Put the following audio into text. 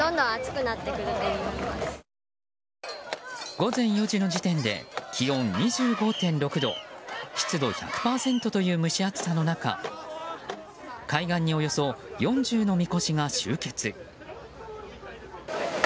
午前４時の時点で気温２５．６度湿度１００％という蒸し暑さの中海岸におよそ４０のみこしが集結。